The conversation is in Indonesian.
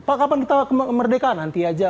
pak kapan kita merdekaan nanti aja